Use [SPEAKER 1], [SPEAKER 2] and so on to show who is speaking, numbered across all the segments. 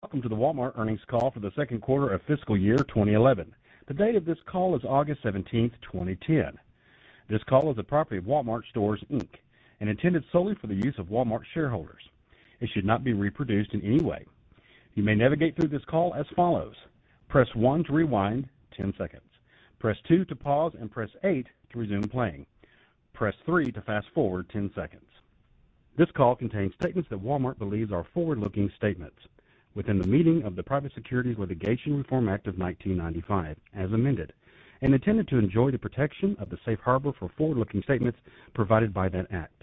[SPEAKER 1] Welcome to
[SPEAKER 2] the Walmart earnings call for the Q2 of fiscal year 2011. The date of this call is August 17, 2010. This call is the property of Walmart Stores Inc. And intended solely for the use of Walmart shareholders. It should not be reproduced in any way. You may navigate through this call as follows: Press 1 to rewind 10 seconds. Press 2 to pause and press 8 to resume playing. Press 3 to fast forward 10 seconds. This call contains statements that Walmart believes are forward looking statements within the meaning of the Private Securities Litigation Reform Act of 1995 as amended and intended to enjoy the protection of the Safe Harbor for forward looking statements provided by the Act.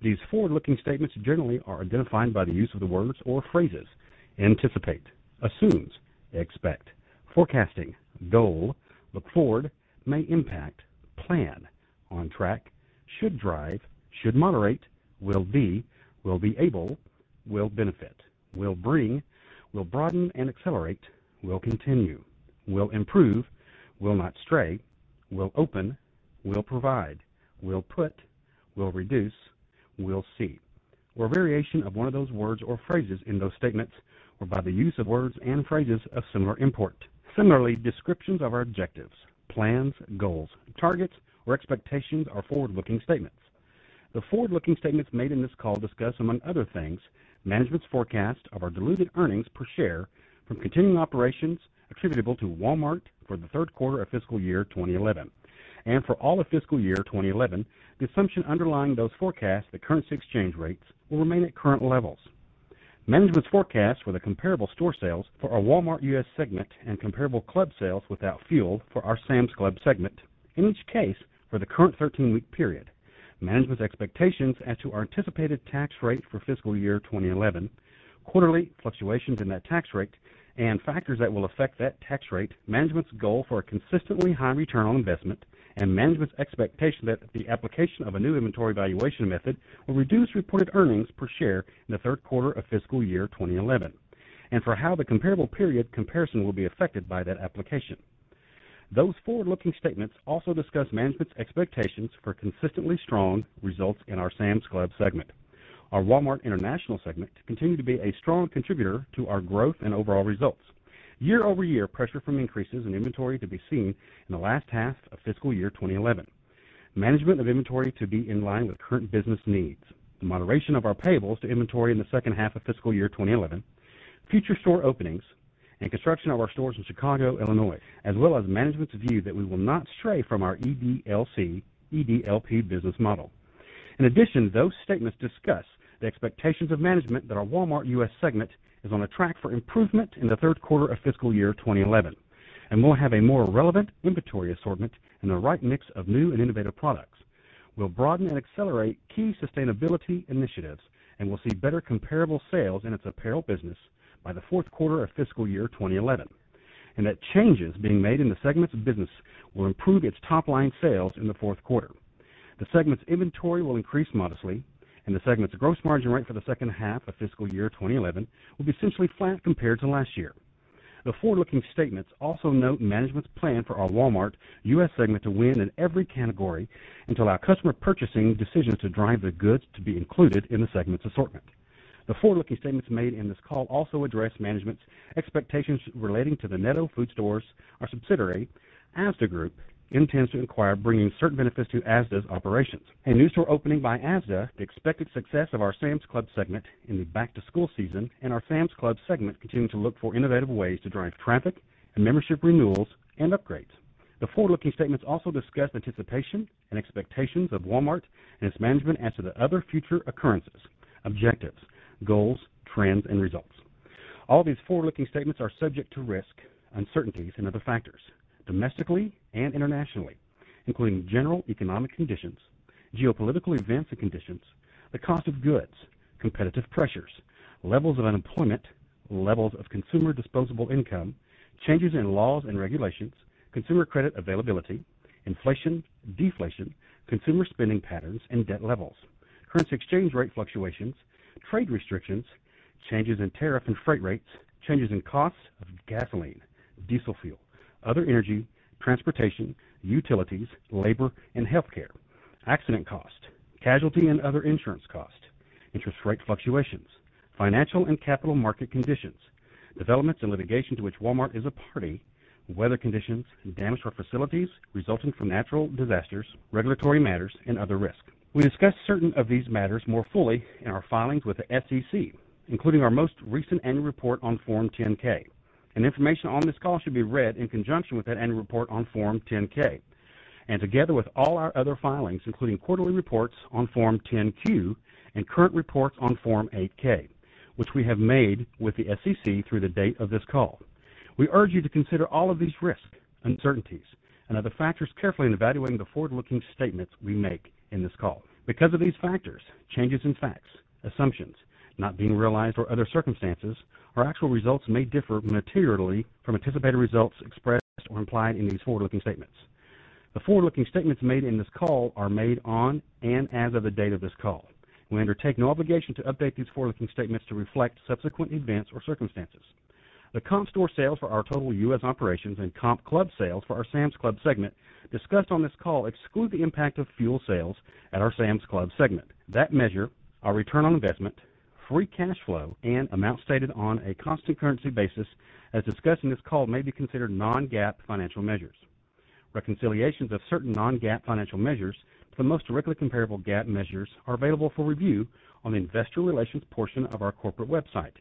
[SPEAKER 2] These forward looking statements generally are identified by the use of the words or phrases Anticipate, assumes, expect, forecasting, goal, look forward, may impact, plan, On track, should drive, should moderate, will be, will be able, will benefit, will bring, will broaden and accelerate, We'll continue, we'll improve, we'll not stray, we'll open, we'll provide, we'll put, we'll reduce, we'll see, or a variation of one of those words or phrases in those statements or by the use of words and phrases of similar import. Similarly, descriptions of our objectives, Plans, goals, targets or expectations are forward looking statements. The forward looking statements made in this call discuss, among other things, Management's forecast of our diluted earnings per share from continuing operations attributable to Walmart for the Q3 of fiscal year 2011. And for all of fiscal year 2011, the assumption underlying those forecasts at currency exchange rates will remain at current levels. Management's forecast for the comparable store sales for our Walmart U. S. Segment and comparable club sales without fuel for our Sam's Club segment. In each case, for the current 13 week period, management's expectations as to our anticipated tax rate for fiscal year 2011, quarterly fluctuations in that tax rate And factors that will affect that tax rate, management's goal for a consistently high return on investment and management's expectation that the application of a new inventory valuation method We reduced reported earnings per share in the Q3 of fiscal year 2011 and for how the comparable period comparison will be affected by that application. Those forward looking statements also discuss management's expectations for consistently strong results in our Sam's Club segment. Our Walmart International segment continued to be a strong contributor to our growth and overall results. Year over year pressure from increases in inventory to be seen in the last half of fiscal year twenty eleven. Management of inventory to be in line with current business needs, the moderation of our payables to inventory in the second half of fiscal year twenty eleven, Future store openings and construction of our stores in Chicago, Illinois, as well as management's view that we will not stray from our EDLP business model. In addition, those statements discuss the expectations of management that our Walmart U. S. Segment is on a track for improvement in the Q3 of fiscal year 2011 and we'll have a more relevant inventory assortment and the right mix of new and innovative products. We'll broaden and accelerate key sustainability initiatives we'll see better comparable sales in its apparel business by the Q4 of fiscal year 2011. And that changes being made in the segment's business We'll improve its top line sales in the Q4. The segment's inventory will increase modestly and the segment's gross margin rate for the second half of fiscal year twenty eleven will be essentially flat compared to last year. The forward looking statements also note management's plan for our Walmart U. S. Segment to win in every category until our customer purchasing decisions to drive the goods to be included in the segment's assortment. The forward looking statements made in this call also address management's Expectations relating to the Netto Food Stores, our subsidiary, ASDA Group, intends to inquire bringing certain benefits to ASDA's operations. A new store opening by ASDA, the expected success of our Sam's Club segment in the back to school season and our Sam's Club segment continue to look for innovative ways to drive traffic and membership renewals and upgrades. The forward looking statements also discuss anticipation and expectations of Walmart and its management as to the other future occurrences, objectives, goals, trends and results. All these forward looking statements are subject to risks, uncertainties and other factors, domestically and internationally, including general economic conditions, geopolitical events and conditions, the cost of goods, competitive pressures, levels of unemployment, Levels of consumer disposable income, changes in laws and regulations, consumer credit availability, inflation, Deflation, consumer spending patterns and debt levels, currency exchange rate fluctuations, trade restrictions, changes in tariff and freight rates, changes in costs of gasoline, diesel fuel, other energy, transportation, utilities, labor and healthcare, accident Casualty and other insurance costs, interest rate fluctuations, financial and capital market conditions, developments and litigation to which Walmart is a party, weather conditions and damage to our facilities resulting from natural disasters, regulatory matters and other risks. We discuss certain of these matters more fully in our filings with the SEC, including our most recent annual report on Form 10 ks. And information on this call should be read in conjunction with that annual report on Form 10 ks. And together with all our other filings, including quarterly reports on Form 10 Q and current reports on Form 8 ks, which we have made with the SEC through the date of this call. We urge you to consider all of these risks, uncertainties and other factors carefully in evaluating the forward looking statements we make in this call. Because of these factors, changes in facts, assumptions not being realized or other circumstances, our actual results may differ materially from anticipated results expressed or implied in these forward looking statements. The forward looking statements made in this call are made on and as of the date of this call. We undertake no obligation to update these forward looking statements to reflect subsequent events or circumstances. The comp store sales for our total U. S. Operations and comp club sales for our Sam's Club segment discussed on this call exclude the impact of fuel sales at our Sam's Club segment. That measure, our return on investment, free cash flow and amount stated on a constant currency basis As discussed in this call may be considered non GAAP financial measures. Reconciliations of certain non GAAP financial measures to the most directly comparable GAAP measures are available for review on the Investor Relations portion of our corporate website,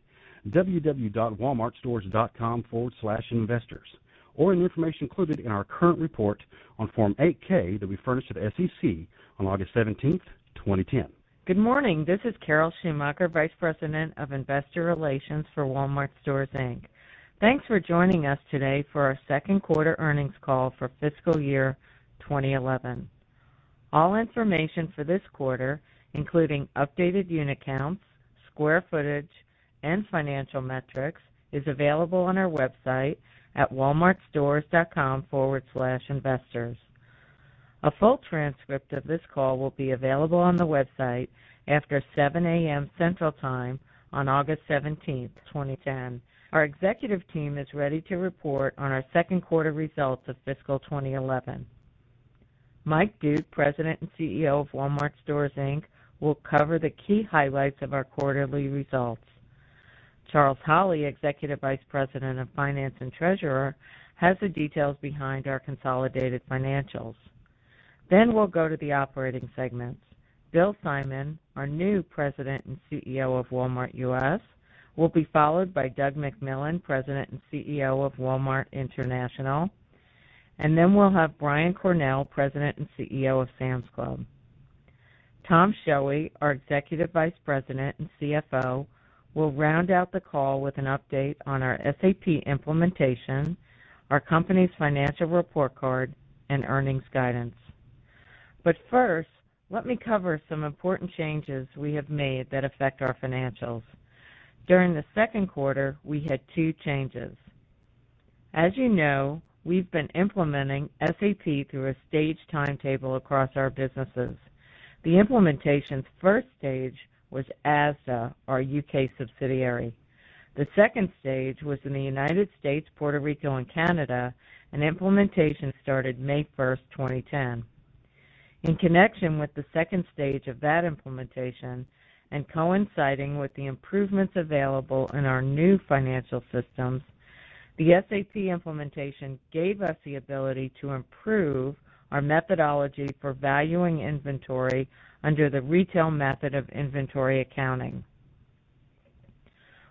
[SPEAKER 2] www.walmartstores.com/investors, or any information included in our current report on Form 8 ks that we furnished with the SEC on August 17, 2010.
[SPEAKER 3] Good morning. This is Carol Schumacher, Vice President of Relations for Walmart Stores Inc. Thanks for joining us today for our Q2 earnings call for fiscal year 2011. All information for this quarter, including updated unit counts, square footage and financial metrics is available on our website at walmartstores.com/investors. A full transcript of this Call will be available on the website after 7 am Central Time on August 17, 2010. Our executive team is ready to report on our Q2 results of fiscal 2011. Mike Duke, President and CEO of Walmart Stores Inc, We'll cover the key highlights of our quarterly results. Charles Holly, Executive Vice President of Finance and Treasurer, has the details behind our consolidated financials. Then we'll go to the operating segments. Bill Simon, Our new President and CEO of Walmart U. S. Will be followed by Doug McMillan, President and CEO of Walmart International. And then we'll have Brian Cornell, President and CEO of Sam's Club. Tom Shelley, our Executive Vice President and CFO, We'll round out the call with an update on our SAP implementation, our company's financial report card and earnings guidance. But first, let me cover some important changes we have made that affect our financials. During the Q2, we had two changes. As you know, we've been implementing SAP through a stage timetable across our businesses. The implementation's first stage with ASSA, our U. K. Subsidiary. The second stage was in the United States, Puerto Rico and Canada, and implementation started May 1, 2010. In connection with the second stage of that implementation And coinciding with the improvements available in our new financial systems, the SAP implementation gave us the ability to improve our methodology for valuing inventory under the retail method of inventory accounting.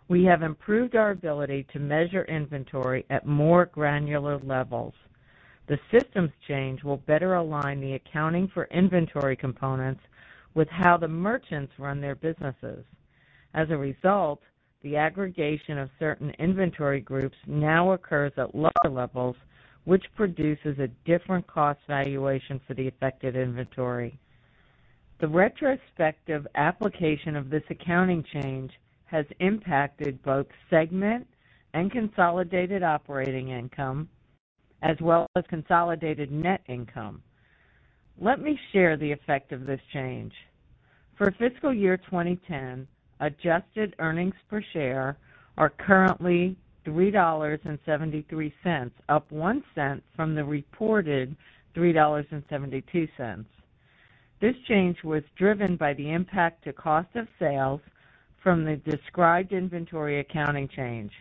[SPEAKER 3] We have improved our ability to measure inventory at more granular levels. The systems change will better align the Accounting for inventory components with how the merchants run their businesses. As a result, the aggregation of certain inventory groups Now occurs at lower levels, which produces a different cost valuation for the affected inventory. The retrospective application of this accounting change has impacted both segment and consolidated operating income as well as consolidated net income. Let me share the effect of this change. For fiscal year 2010, Adjusted earnings per share are currently $3.73 up 0 point 0 $1 from the reported $3.72 This change was driven by the impact to cost of sales from the described inventory accounting change.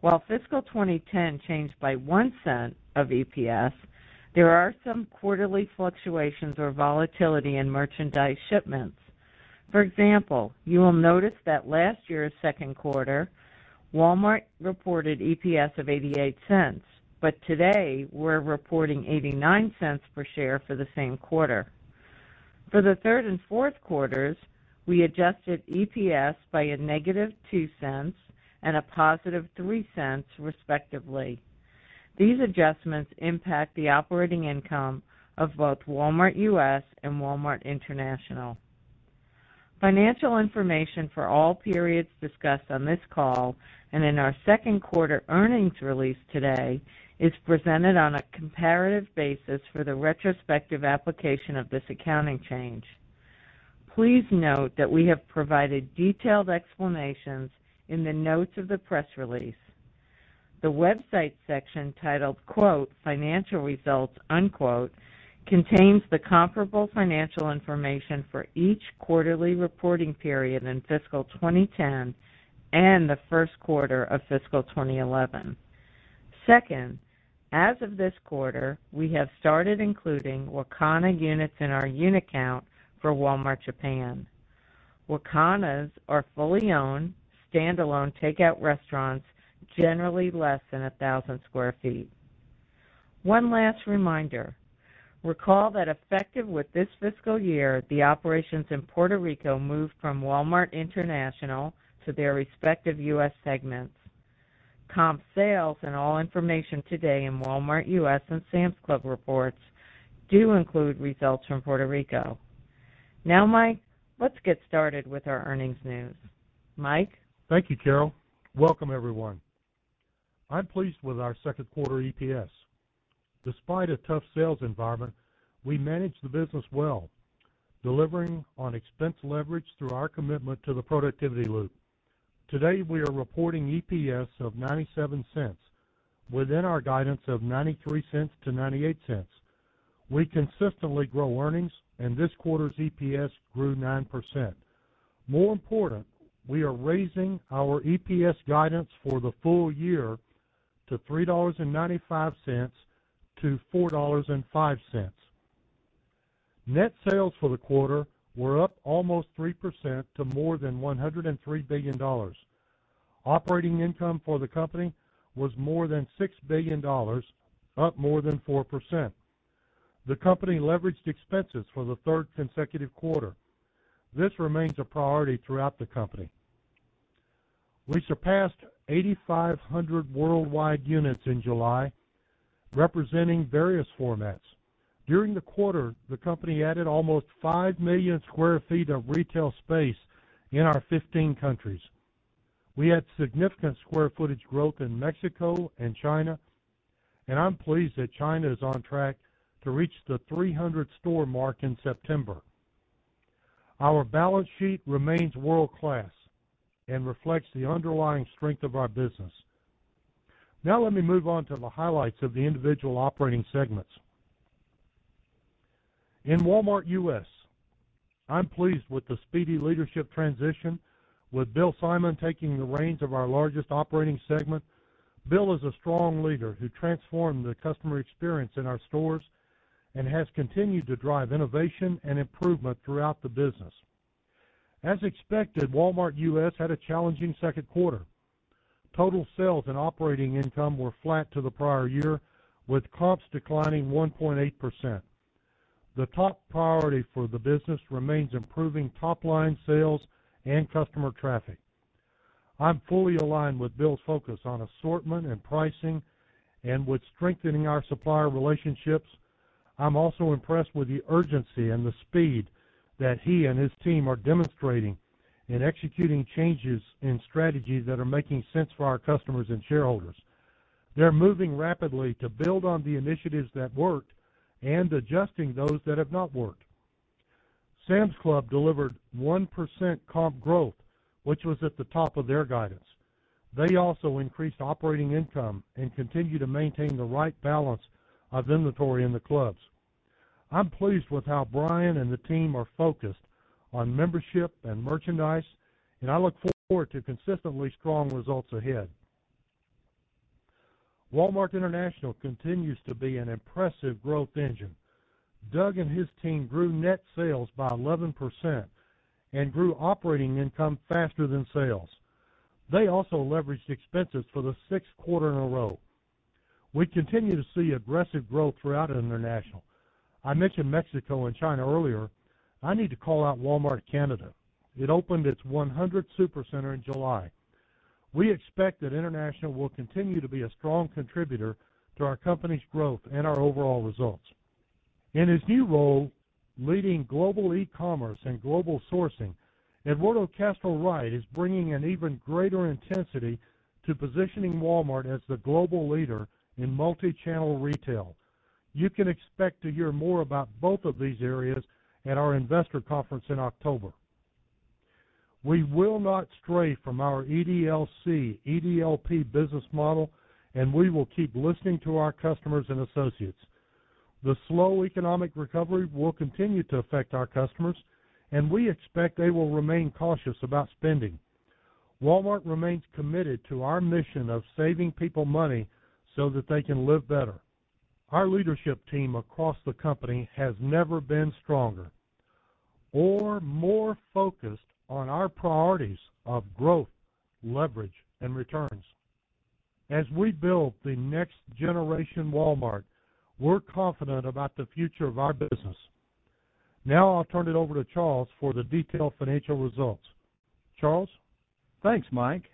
[SPEAKER 3] While fiscal 2010 changed by $0.01 of EPS, there are some quarterly fluctuations or volatility in merchandise shipments. For example, you will notice that last year's Q2, Walmart reported EPS of $0.88 But today, we're reporting $0.89 per share for the same quarter. For the 3rd and 4th quarters, We adjusted EPS by a negative $0.02 and a positive $0.03 respectively. These adjustments impact the operating income of both Walmart U. S. And Walmart International. Financial information for all periods discussed on this call and in our Q2 earnings release today It's presented on a comparative basis for the retrospective application of this accounting change. Please note that we have provided detailed in the notes of the press release. The website section titled Financial Results Contains the comparable financial information for each quarterly reporting period in fiscal 2010 and the Q1 of fiscal 2011. 2nd, as of this quarter, we have Started including Wakana units in our unit count for Walmart Japan. Wakanas are fully owned, stand alone takeout restaurants generally less than 1,000 square feet. One last reminder, recall that effective with this fiscal year, The operations in Puerto Rico moved from Walmart International to their respective U. S. Segments. Comp sales and all information today in Walmart U. S. And Sam's Club reports do include results from Puerto Rico. Now Mike, Let's get started with our earnings news. Mike?
[SPEAKER 1] Thank you, Carol. Welcome, everyone. I'm pleased with our 2nd quarter EPS. Despite a tough sales environment, we manage the business well, delivering on expense leverage through our commitment to the productivity loop. Today, we are reporting EPS of $0.97 within our guidance of $0.93 to $0.98 We consistently grow earnings, and this quarter's EPS grew 9%. More important, we are raising our EPS guidance for the full year to $3.95 to $4.05 Net sales for the quarter were up almost 3% to more than $103,000,000,000 Operating income for the company was more than $6,000,000,000 up more than 4%. The company leveraged expenses for the 3rd consecutive quarter. This remains a priority throughout the company. We surpassed 8,500 worldwide units in July, representing various formats. During the quarter, the company added almost 5,000,000 square feet of retail space in our 15 countries. We had significant square footage growth in Mexico and China, and I'm pleased that China is on track to reach the 300 store mark in September. Our balance sheet remains world class and reflects the underlying strength of our business. Now let me move on to the highlights of the individual operating segments. In Walmart U. S, I'm pleased with the speedy leadership transition with Bill Simon taking the reins of our largest operating segment. Bill is a strong leader who transformed the customer experience in our stores and has continued to drive innovation and improvement throughout the business. As expected, Walmart U. S. Had a challenging second quarter. Total sales and operating income were flat to the prior year with comps declining 1.8%. The top priority for the business remains improving top line sales and customer traffic. I'm fully aligned with Bill's focus on assortment and pricing and with strengthening our supplier relationships. I'm also impressed with the urgency and the speed that he and his team are demonstrating in executing changes and strategies that are making sense for our customers and shareholders. They're moving rapidly to build on the initiatives that worked and adjusting those that have not worked. Sam's Club delivered 1% comp growth, which was at the top of their guidance. They also increased operating income and continue to maintain the right balance of inventory in the clubs. I'm pleased with how Brian and the team are focused on membership and merchandise, and I look forward to consistently strong results ahead. Walmart International continues to be an impressive growth engine. Doug and his team grew net sales by 11% and grew operating income faster than sales. They also leveraged expenses for the 6th quarter in a row. We continue to see aggressive growth throughout international. I mentioned Mexico and China earlier. I need to call out Walmart Canada. It opened its 100 Supercenter in July. We expect that International will continue to be a strong contributor to our company's growth and our overall results. In his new role leading global e commerce and global sourcing, Eduardo Castro Wright is bringing an even greater intensity to positioning Walmart as the global leader in multichannel retail. You can expect to hear more about both of these areas at our Investor Conference in October. We will not from our EDLC, EDLP business model, and we will keep listening to our customers and associates. The slow economic recovery will continue to affect our customers, and we expect they will remain cautious about spending. Walmart remains committed to our mission of saving people money so that they can live better. Our leadership team across the company has never been stronger or more focused on our priorities of growth, leverage and returns. As we build the next generation Walmart, we're confident about the future of our business. Now I'll turn it over to Charles for the detailed financial results. Charles? Thanks, Mike.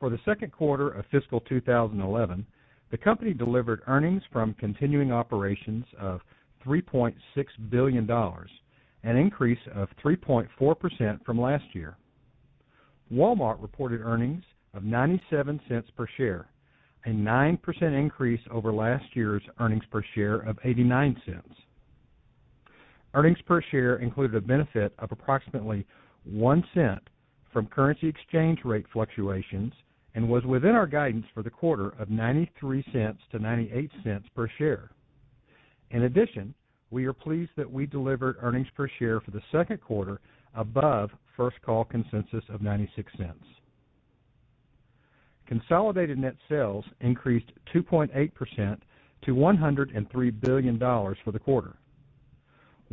[SPEAKER 1] For the Q2 of fiscal 2011, The company delivered earnings from continuing operations of $3,600,000,000 an increase of 3.4% from last year. Walmart reported earnings of $0.97 per share, a 9% increase over last year's earnings per share of $0.89 Earnings per share included a benefit of approximately $0.01 from currency exchange rate fluctuations and was within our guidance for the quarter of $0.93 to 0 point 9 Consolidated net sales increased 2.8 percent to $103,000,000,000 for the quarter.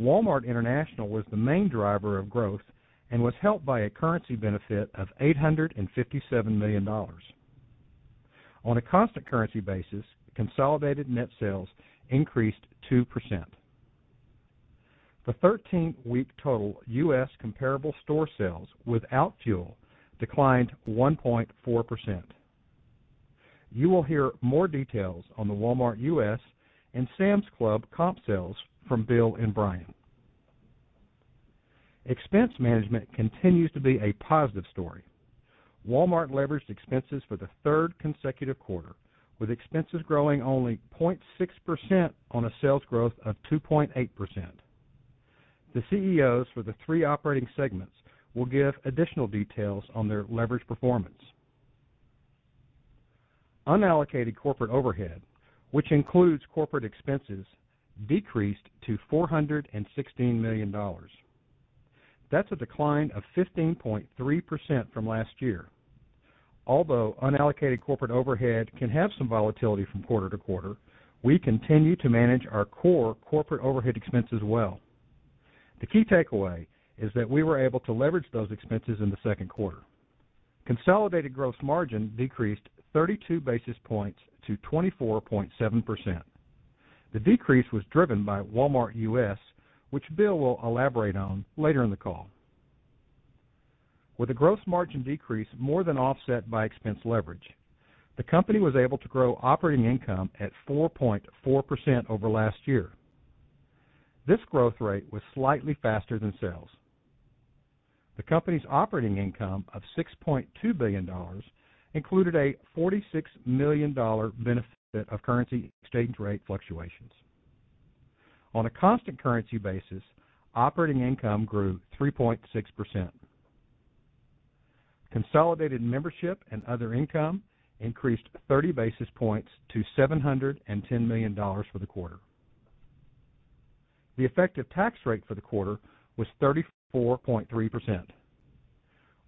[SPEAKER 1] Walmart International was the main driver of growth and was helped by a currency benefit of $857,000,000 On a constant currency basis, consolidated net sales increased 2%. The You will hear more details on the Walmart U. S. And Sam's Club comp sales from Bill and Brian. Expense management continues to be a positive story. Walmart leveraged expenses for the 3rd consecutive quarter with expenses growing only 0.6% on a sales growth of 2.8%. The CEOs for the 3 operating segments We'll give additional details on their leverage performance. Unallocated corporate overhead, which includes corporate expenses, decreased to $416,000,000 That's a decline of 15.3% from last year. Although unallocated corporate overhead can have some volatility from quarter to quarter, we continue to manage our core corporate overhead expenses well. The key takeaway is that we were able to leverage those expenses in the Q2. Consolidated gross margin decreased 32 basis points to 24.7%. The decrease was driven by Walmart US, which Bill will elaborate on later in the call. With the gross margin decrease more than offset by expense leverage. The company was able to grow operating income at 4.4% over last year. This growth rate was slightly faster than sales. The company's operating income of $6,200,000,000 included a $46,000,000 benefit of currency exchange rate fluctuations. On a constant currency basis, Operating income grew 3.6%. Consolidated membership and other income increased 30 basis points to $710,000,000 for the quarter. The effective tax rate for the quarter was 30 4.3%.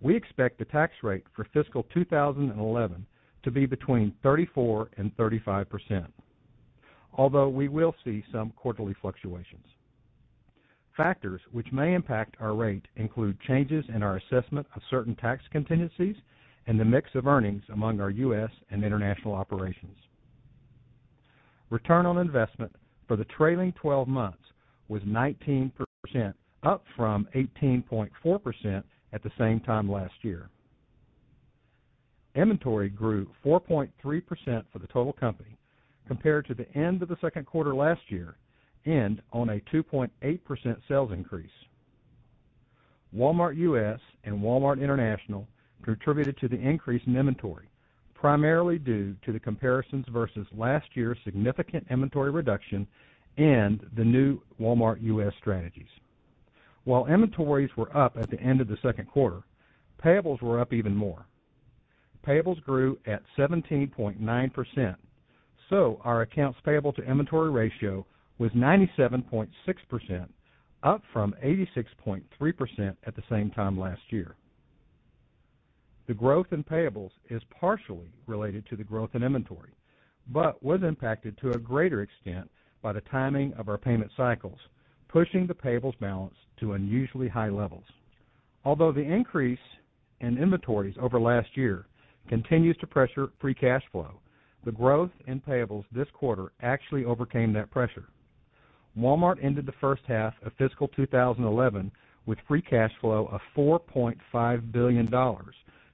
[SPEAKER 1] We expect the tax rate for fiscal 2011 to be between 34% 35%, although we will see some quarterly fluctuations. Factors which may impact our rate include changes in our assessment of certain tax contingencies and the mix of earnings among our U. S. And international operations. Return on investment for the trailing 12 months was 19%, up from 18.4% at the same time last year. Inventory grew 4.3% for the total company compared to the end of the Q2 last year and on a 2.8% sales increase. Walmart U. S. And Walmart International contributed to the increase in inventory, primarily due to the comparisons versus last year's significant inventory reduction and the new Walmart U. S. Strategies. While inventories were up at the end of the second quarter, payables were up even more. Payables grew at 17.9%, So our accounts payable to inventory ratio was 97.6%, up from 86.3% at the same time last year. The growth in payables is partially related to the growth in inventory, but was impacted to a greater extent by the timing of our payment cycles, pushing the payables balance to unusually high levels. Although the increase and inventories over last year continues to pressure free cash flow. The growth in payables this quarter actually overcame that pressure. Walmart ended the first half of fiscal twenty eleven with free cash flow of $4,500,000,000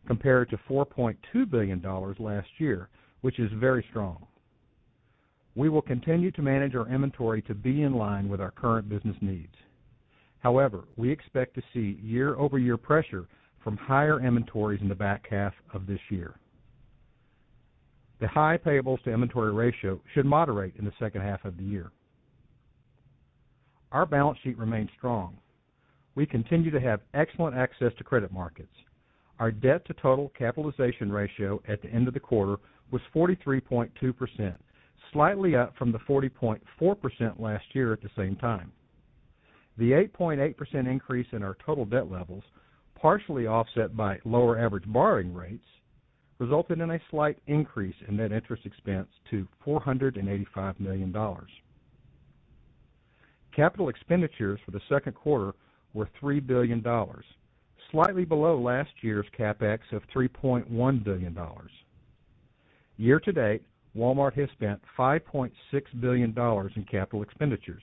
[SPEAKER 1] compared to $4,200,000,000 last year, which is very strong. We will continue to manage our inventory to be in line with our current business needs. However, we expect to see year over year pressure from higher inventories in the back half of this year. The high payables to inventory ratio should moderate in the second half of the year. Our balance sheet remains strong. We continue to have excellent access to credit markets. Our debt to total capitalization ratio at the end of the quarter was 43.2%, slightly up from the 40.4% last year at the same time. The 8.8% increase in our total debt levels, partially offset by lower average borrowing rates, resulted in a slight increase in net interest expense to $485,000,000 Capital expenditures for the Q2 were $3,000,000,000 slightly below last year's CapEx of 3,100,000,000 Year to date, Walmart has spent $5,600,000,000 in capital expenditures.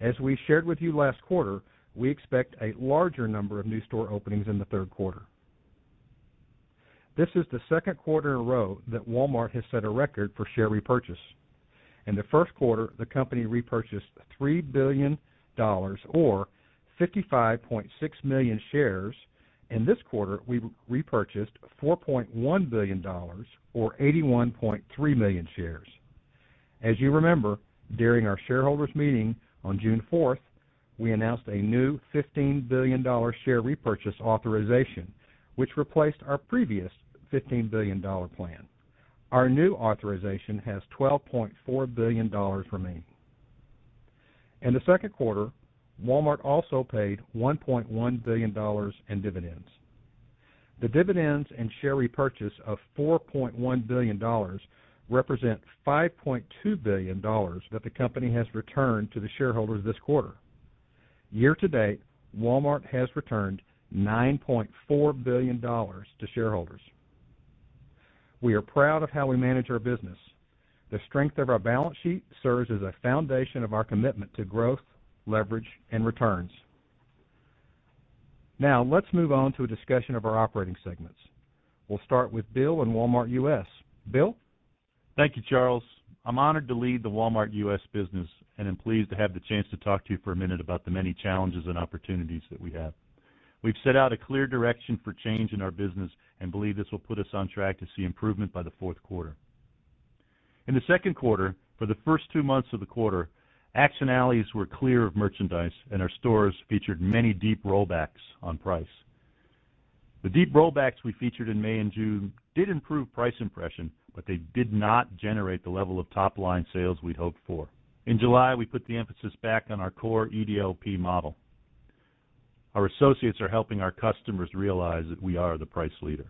[SPEAKER 1] As we shared with you last quarter, We expect a larger number of new store openings in the Q3. This is the 2nd quarter in a row that Walmart has set a record for share repurchase. In the Q1, the company repurchased $3,000,000,000 or 55,600,000 shares. In this quarter, we repurchased $4,100,000,000 or 81,300,000 shares. As you remember, during our shareholders meeting On June 4, we announced a new $15,000,000,000 share repurchase authorization, which replaced our previous $15,000,000,000 plan. Our new authorization has $12,400,000,000 remaining. In the 2nd quarter, Walmart also paid $1,100,000,000 in dividends. The dividends and share repurchase of $4,100,000,000 represent $5,200,000,000 that the company has returned to the shareholders this quarter. Year to date, Walmart has returned $9,400,000,000 to shareholders. We are proud of how we manage our business. The strength of our balance sheet serves as a foundation of our commitment to growth, leverage and returns. Now let's move on to a discussion of our operating segments. We'll start with Bill and Walmart U. S. Bill?
[SPEAKER 4] Thank you, Charles. I'm honored to lead the Walmart U. S. Business and I'm pleased to have the chance to talk to you for a minute about the many challenges and opportunities that we have. We've set out a clear direction for change in our business and believe this will put us on track to see improvement by the Q4. In the Q2, for the 1st 2 months of the quarter, action alleys were clear of merchandise and our stores featured many deep rollbacks on price. The deep rollbacks we featured in May June did improve price impression, but they did not generate the level of top line sales we hoped for. In July, we put the emphasis back on our core EDLP model. Our associates are helping our customers realize that we are the price leader.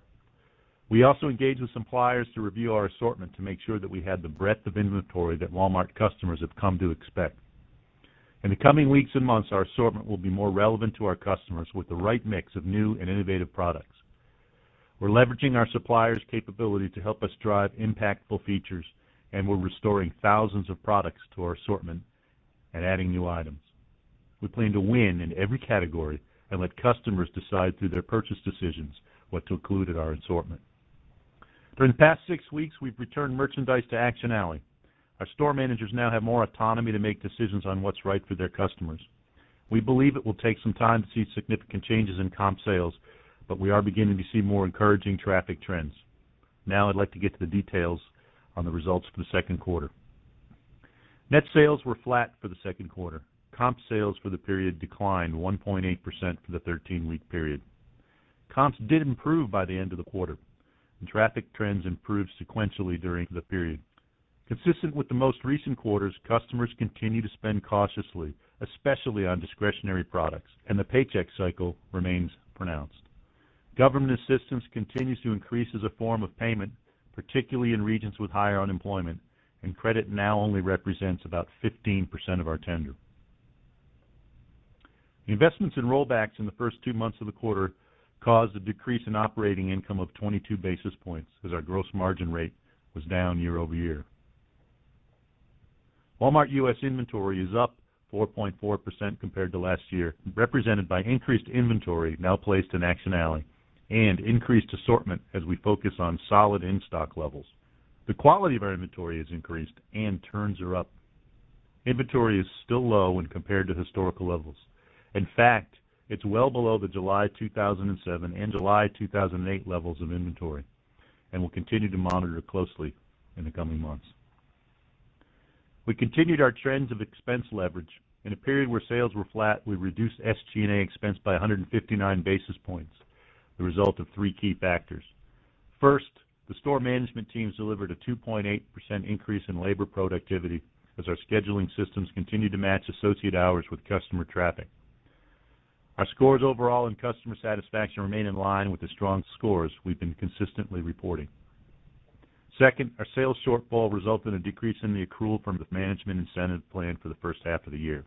[SPEAKER 4] We also engaged with suppliers to review our assortment to make sure that we had the breadth of inventory that Walmart customers have come to expect. In the coming weeks months, our assortment will be more relevant to our customers with the right mix of new and innovative products. We're leveraging our suppliers' capability We plan to win in every category and let customers decide through their purchase decisions what to include in our assortment. During the past 6 weeks, we've returned merchandise to Action Alley. Our store managers now have more autonomy to make decisions on what's right for their customers. We believe it will take some time to see significant changes in comp sales, but we are beginning to see more encouraging traffic trends. Now I'd like to get to the details on the results for the Q2. Net sales were flat for the 2nd quarter. Comp sales for the period declined 1.8% for the 13 week period. Comps did improve by the end of the quarter. Traffic trends improved sequentially during the period. Consistent with the most recent quarters, customers continue to spend cautiously, especially on discretionary products and the Paychex cycle remains pronounced. Government assistance continues to increase as a form of payment, particularly in regions with higher unemployment and credit now only represents about 15% of our tender. Investments in rollbacks in the 1st 2 months of the quarter caused a decrease in operating income of 22 basis points as our gross margin rate was down year over year. Walmart U. S. Inventory is up 4.4% compared to last year, represented by increased inventory now placed in Action Alley and increased assortment as we focus on solid in stock levels. The quality of our inventory has increased and turns are up. Inventory is still low when compared to historical levels. In fact, it's well below the July 2007 July 2008 levels of inventory, and we'll continue to monitor closely in the coming months. We continued our trends of expense leverage. In a period where sales were flat, we reduced SG and A expense by 159 basis points, the result of 3 key factors. 1st, The store management teams delivered a 2.8% increase in labor productivity as our scheduling systems continue to match associate hours with customer traffic. Our scores overall and customer satisfaction remain in line with the strong scores we've been consistently reporting. 2nd, our sales shortfall resulted accrual from the management incentive plan for the first half of the year.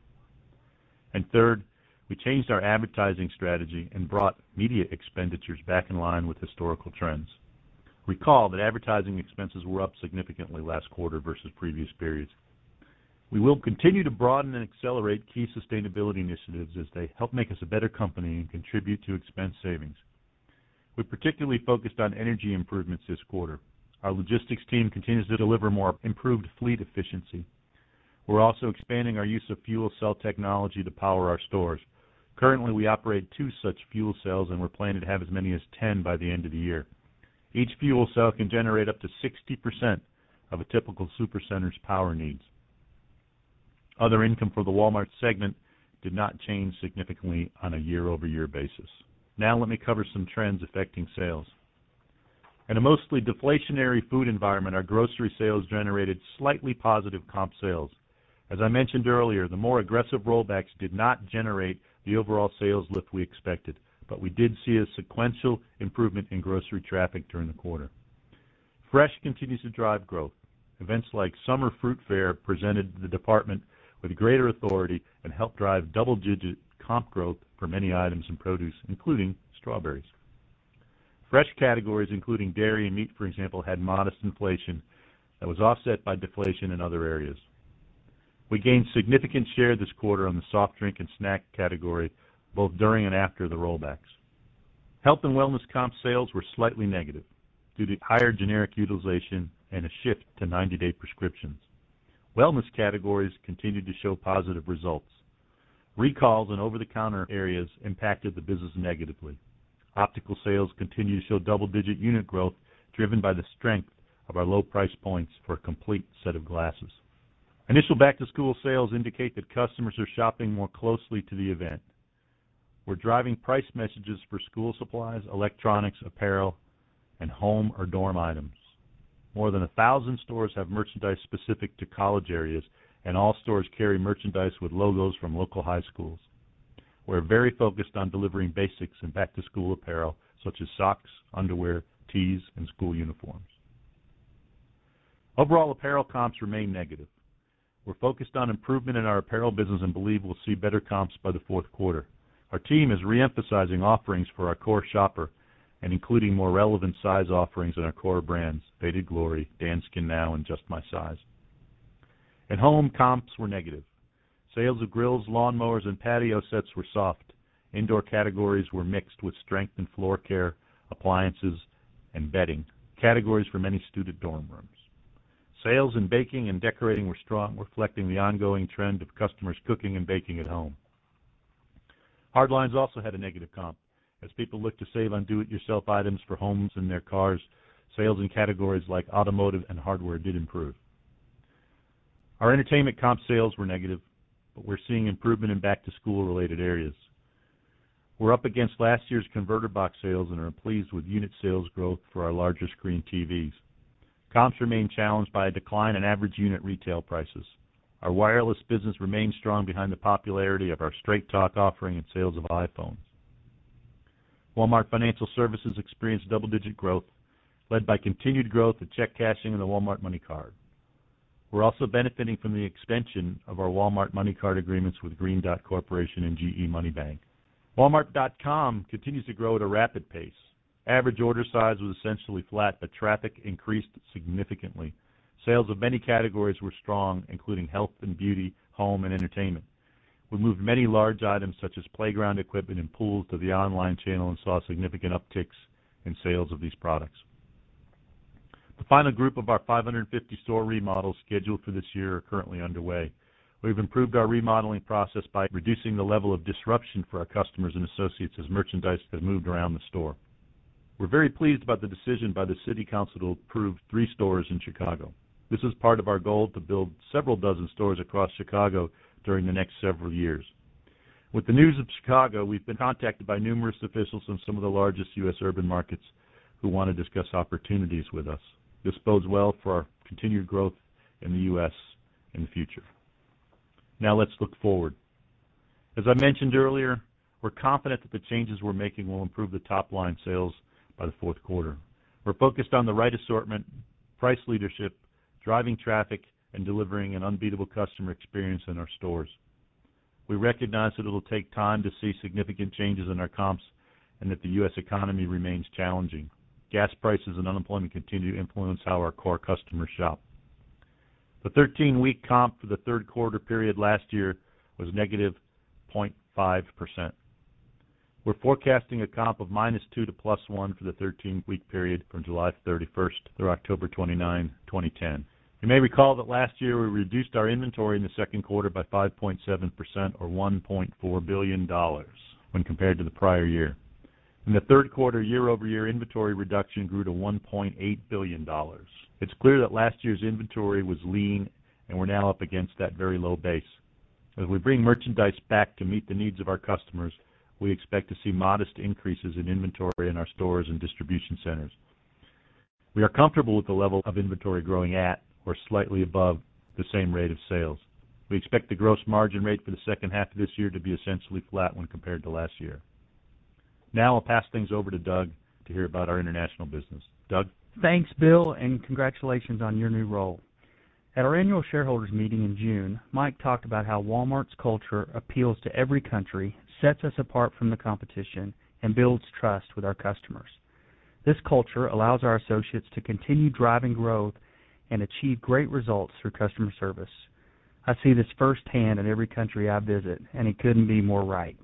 [SPEAKER 4] And third, we changed our advertising strategy and brought Media expenditures back in line with historical trends. Recall that advertising expenses were up significantly last quarter versus previous periods. We will continue to broaden and accelerate key sustainability initiatives as they help make us a better company and contribute to expense savings. We particularly focused on energy improvements this quarter. Our logistics team continues to deliver more improved fleet efficiency. We're also expanding our use of fuel cell technology to power our stores. Currently, we operate 2 such fuel cells and we're planning to have as many as 10 by the end of the year. Each fuel cell can generate up to 60% of a typical supercenter's power needs. Other income for the Walmart segment Did not change significantly on a year over year basis. Now let me cover some trends affecting sales. In a mostly deflationary food environment, our Sales generated slightly positive comp sales. As I mentioned earlier, the more aggressive rollbacks did not generate the overall sales lift we expected, but we did see a sequential improvement in grocery traffic during the quarter. Fresh continues to drive growth. Events like Summer Fruit Fair presented the department with greater authority and help drive double digit comp growth for many items in produce, including strawberries. Fresh categories including dairy and meat for example had modest inflation that was offset by deflation in other areas. We gained significant share this quarter on the soft drink and snack category, both during and after the rollbacks. Health and wellness comp sales were slightly negative due to higher generic utilization and a shift to 90 day prescriptions. Wellness categories continued to show positive results. Recalls in over the counter areas impacted the business negatively. Optical sales continued to show double digit unit growth, driven by the strength of our low price points for a complete set of glasses. Initial back to school sales indicate that customers are shopping more closely to the event. We're driving price messages for school supplies, electronics, apparel and home or dorm items. More than 1,000 stores have merchandise specific to college areas and all stores carry merchandise with logos from local high schools. We're very focused on delivering basics and back to school apparel such as socks, underwear, tees and school uniforms. Overall, apparel comps remain negative. We're focused on improvement in our apparel business and believe we'll see better comps by the Q4. Our team is reemphasizing offerings for our core shopper and including more relevant size offerings in our core brands Faded Glory, Danskin Now and Just My Size. At home, comps were negative. Sales of grills, lawnmowers and patio sets were soft. Indoor categories were mixed with Strength in floor care, appliances and bedding categories for many student dorm rooms. Sales in baking and decorating were reflecting the ongoing trend of customers cooking and baking at home. Hardlines also had a negative comp as people look to save on do it yourself items For homes and their cars, sales in categories like automotive and hardware did improve. Our entertainment comp sales were negative, but we're seeing improvement in back to school related areas. We're up against last year's converter box sales and are pleased with unit sales growth for our larger screen TVs. Comps remain challenged by a decline in average unit retail prices. Our wireless business remains strong behind the popularity of our Straight Talk offering in sales of iPhones. Walmart Financial Services experienced double digit growth, led by continued growth in check cashing and the Walmart MoneyCard. We're also benefiting from the extension of our Walmart MoneyCard agreements with Green Dot Corporation and GE Money Bank. Walmart.com continues to grow at a rapid pace. Average order size was essentially flat, but traffic increased significantly. Sales of many categories were strong, including health and beauty, home and entertainment. We moved many large items such as playground equipment and pools to the online channel and saw significant upticks in sales of these products. The The final group of our 550 store remodels scheduled for this year are currently underway. We've improved our remodeling process by reducing the level of disruption for We're very pleased by the decision by the city council to approve 3 stores in Chicago. This is part of our goal to build several dozen stores across Chicago during the next several years. With the news of Chicago, we've Contacted by numerous officials in some of the largest U. S. Urban markets who want to discuss opportunities with us. This bodes well for our continued growth in the U. S. In the future. Now let's look forward. As I mentioned earlier, we're confident that the changes we're making will improve the top line sales By the Q4, we're focused on the right assortment, price leadership, driving traffic and delivering an unbeatable customer experience in our stores. We recognize that it will take time to see significant changes in our comps and that the U. S. Economy remains challenging. Gas prices The 13 week comp for the Q3 period last year was negative 0 point We're forecasting a comp of minus 2% to plus 1% for the 13 week period from July 31 through October 29, 2010. You may recall that last year we reduced our inventory in the Q2 by 5.7 percent or $1,400,000,000 when compared to the prior year. In the Q3, year over year inventory reduction grew to $1,800,000,000 It's clear that last year's inventory was lean and we're now up against that very low base. As we bring merchandise back to meet the needs of our customers, we expect to see modest increases in inventory in our stores and distribution centers. We are comfortable with the level of inventory growing at or slightly above the same rate of sales. We expect the gross margin rate for the second half of this year to be Now I'll pass things over to Doug to hear about our international business. Doug?
[SPEAKER 5] Thanks Bill and congratulations on your new role. At our Annual Shareholders Meeting in June, Mike talked about how Walmart's culture appeals to every country, sets us apart from the competition, and builds trust with our customers. This culture allows our associates to continue driving growth and achieve great results through customer service. I see this firsthand in every country I visit and it couldn't be more right.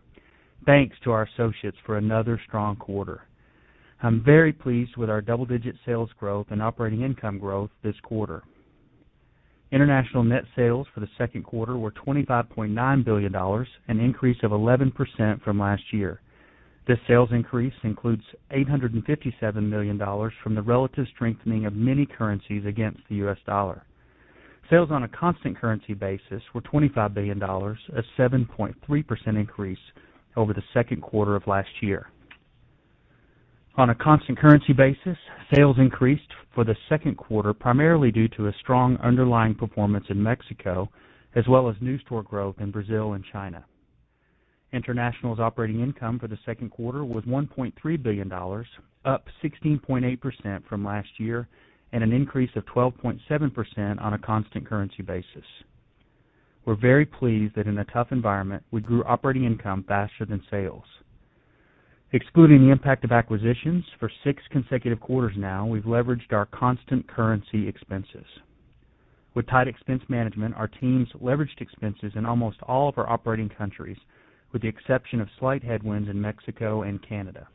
[SPEAKER 5] Thanks to our associates for another strong quarter. I'm very pleased with our double digit sales growth and operating income growth this quarter. International net sales for the Q2 were $25,900,000,000 an increase of 11% from last year. This sales increase includes $857,000,000 from the relative strengthening of many currencies against the U. S. Dollar. Sales on a constant currency basis were $25,000,000,000 a 7.3% increase over the Q2 of last year. On a constant currency basis, sales increased for the 2nd quarter primarily due to a strong underlying performance in Mexico as well as new store growth in Brazil and China. International's operating income for the Q2 was $1,300,000,000 up 16.8% from last year and an increase of 12.7% on a constant currency basis. We're very pleased that in a tough environment, we grew operating income faster than sales. Excluding the impact of acquisitions, For 6 consecutive quarters now, we've leveraged our constant currency expenses. With tight expense management, our teams leveraged expenses in almost all of our operating countries with the exception of slight headwinds in Mexico and Canada.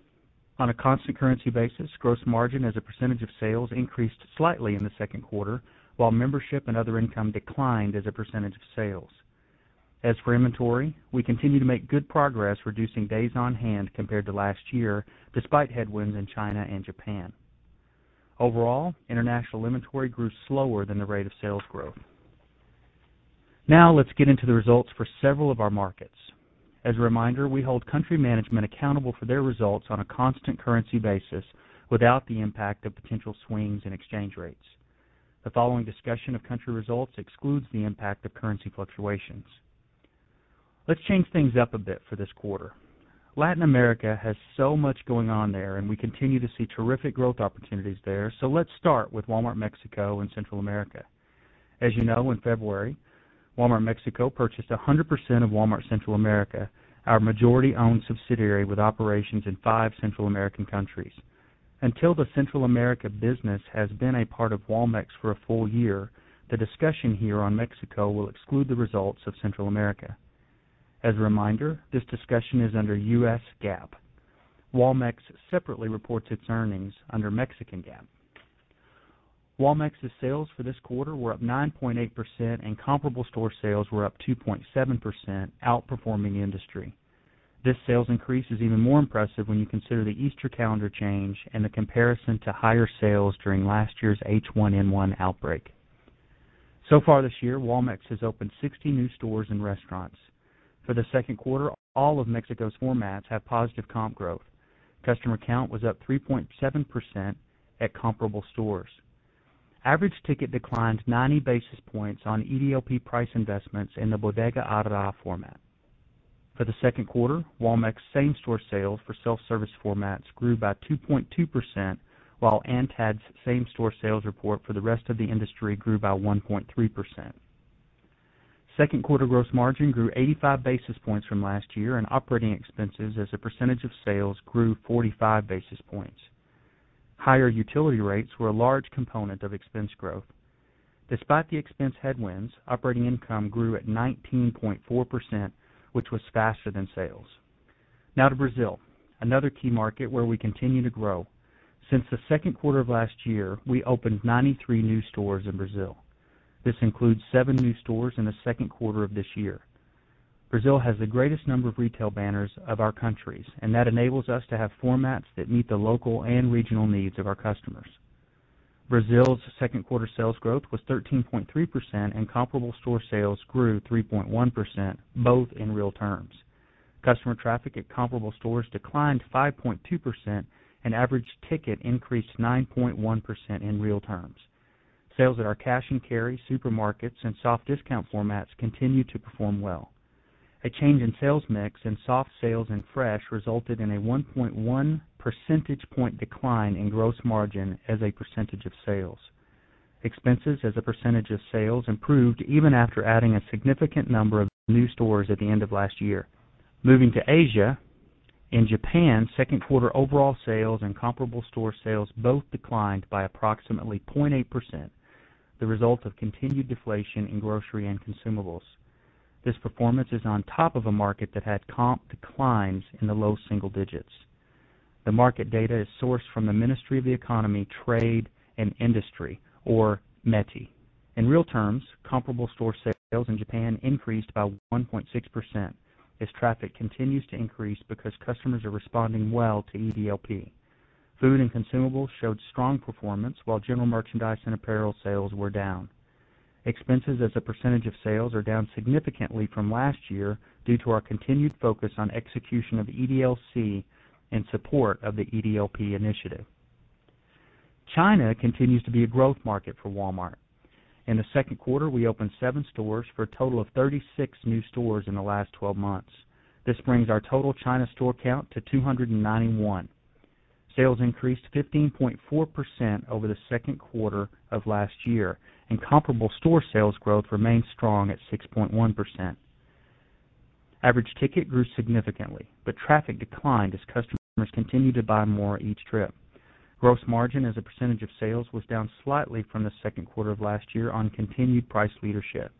[SPEAKER 5] On a constant currency basis, gross margin as a percentage of sales increased slightly in the 2nd quarter, while membership and other income declined as a percentage of sales. As for inventory, we continue to make good progress reducing days on hand compared to Now let's get into the results for several of our markets. As a reminder, we hold country management accountable for their results on a constant currency basis without the impact of potential swings in exchange rates. The following discussion of country results excludes the impact of currency fluctuations. Let's change things up a bit for this quarter. Latin America has so much going on there and we continue to see terrific growth opportunities there. So let's start with Walmart As you know, in February, Walmart Mexico purchased 100% of Walmart Central America, our majority owned subsidiary with operations in 5 Central American countries. Until the Central America business has been a part of Walmex for a full year, The discussion here on Mexico will exclude the results of Central America. As a reminder, this discussion is under U. S. GAAP. Walmex separately reports its earnings under Mexican GAAP. Walmex's sales for this quarter were up 9.8% and comparable store sales were 2.7% outperforming industry. This sales increase is even more impressive when you consider the Easter calendar change and the comparison to higher sales during last year's H1N1 outbreak. So far this year, Walmex has opened 60 new stores and restaurants. For the Q2, all of Mexico's formats have positive comp growth. Customer count was up 3.7% at comparable stores. Average ticket declined 90 basis points on EDLP price investments in the bodega adra format. For the Q2, Walmex same store sales for self-service formats grew by 2.2%, while ANTAD's same store sales report For the rest of the industry, it grew by 1.3%. 2nd quarter gross margin grew 85 basis points from last year and operating expenses as a percentage of sales grew 45 basis points. Higher utility rates grew Since headwinds, operating income grew at 19.4%, which was faster than sales. Now to Brazil, another key market where we continue to grow. Since the Q2 of last year, we opened 93 new stores in Brazil. This includes 7 new stores in the Q2 of this year. Brazil has the greatest number of retail banners of our countries and that enables us to have formats that meet the local and regional needs of our customers. Brazil's 2nd quarter sales growth was 13.3% and comparable store sales grew 3.1%, both in real terms. Customer traffic at comparable stores declined 5.2% and average ticket increased 9.1% in real terms. Sales at our cash and carry, supermarkets and soft discount formats continued to perform well. A change in sales mix and soft Sales in fresh resulted in a 1.1 percentage point decline in gross margin as a percentage of sales. Expenses as a percentage of sales improved even after adding a significant number of new stores at the end of last year. Moving to Asia. In Japan, 2nd quarter overall sales and comparable store sales both declined by approximately 0.8%, the result of continued deflation in grocery and consumables. This performance is on top of a market that had comp declines in the low single digits. The market data is sourced from the Ministry of the Economy, Trade and Industry or METI. In real terms, Comparable store sales in Japan increased by 1.6% as traffic continues to increase because customers are responding well to EDLP. Food and Consumables showed strong performance, while general merchandise and apparel sales were down. Expenses as a percentage of sales are down significantly from last year due to our continued focus on execution of EDLC and support of the EDLP initiative. China continues to be a growth market for Walmart. In the Q2, we opened 7 stores for a total of 36 new stores in the last 12 months. This brings our total China store count to 291. Sales increased 15.4% over the Q2 of last year and comparable store sales growth remained strong at 6.1%. Average ticket grew significantly, but traffic declined as customers continue to buy more each trip. Gross margin as a percentage of sales was down slightly from the Q2 of on continued price leadership.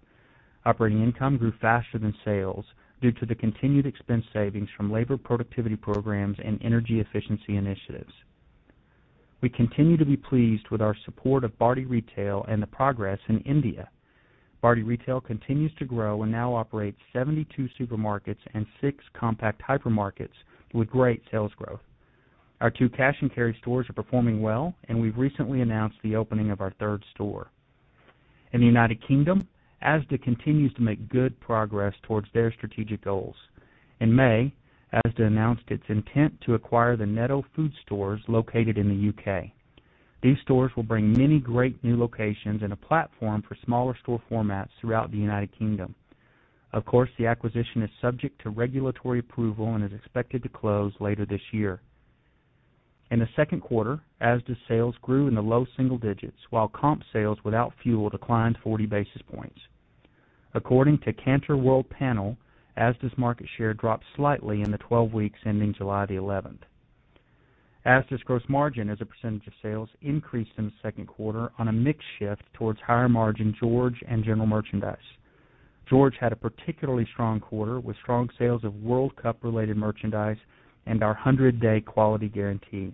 [SPEAKER 5] Operating income grew faster than sales due to the continued expense savings from labor productivity programs We continue to be pleased with our support of Bardi Retail and the progress in India. Bardy Retail continues to grow and now operates 72 supermarkets and 6 compact hypermarkets with great sales growth. Our 2 cash and carry stores are performing well, and we've recently announced the opening of our 3rd store. In the United Kingdom, Asda continues to make good progress towards their strategic goals. In May, Asda announced its intent to acquire the Nitto Food Stores located in the U. K. These stores will bring many great new locations and a platform for smaller store formats throughout the United Kingdom. Of course, the acquisition is subject to regulatory approval and is expected to close later this year. In the Q2, as does sales grew in the low single digits, while comp sales without fuel declined 40 basis According to Cantor World Panel, Asta's market share dropped slightly in the 12 weeks ending July 11th. Asta's gross margin as a percentage of sales increased in the 2nd quarter on a mix shift towards higher margin George and general merchandise. George had a particularly strong quarter with strong sales of World Cup related merchandise and our 100 day quality guarantee.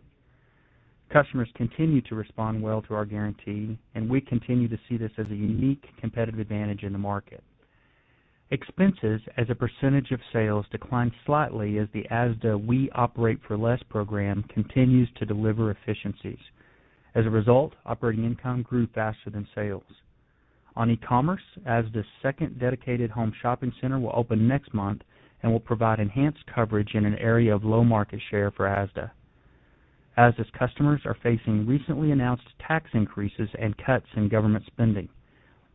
[SPEAKER 5] Customers continue to respond well to our guarantee and we continue to see this as a unique competitive advantage in the market. Expenses as a percentage of sales declined slightly as the ASDA We Operate for Less program continues to deliver efficiencies. As a result, operating income grew faster than sales. On e commerce, ASDA's 2nd dedicated home shopping center will open next month and will provide enhanced coverage in an area of low market share for ASDA. ASDA's customers are facing recently announced Tax increases and cuts in government spending.